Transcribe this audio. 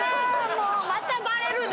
もうまたバレるね